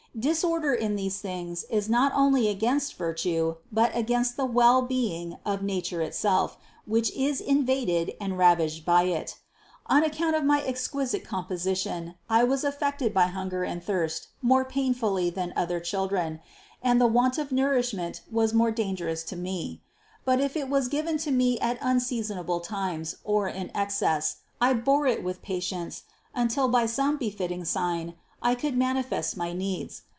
Disorder in these things is not only against virtue, but against the well being of nature itself, which is invaded and ravaged by it. On account of my exquisite compo sition I was affected by hunger and thirst more painfully than other children; and the want of nourishment was more dangerous to me; but if it was given to me at un seasonable times, or in excess, I bore it with patience, until by some befitting sign I could manifest my needs.